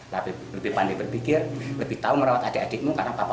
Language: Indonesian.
lebih pandai berpikir lebih tahu merawat adik adikmu karena papa